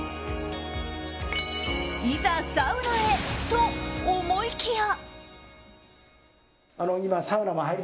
いざ、サウナへ！と思いきや。